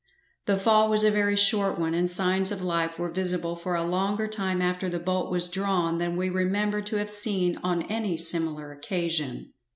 The fall was a very short one, and signs of life were visible for a longer time after the bolt was drawn than we remember to have seen on any similar occasion.